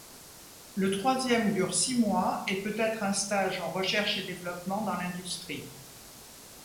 Le troisième dure six mois et peut être un stage en R&D dans l'industrie.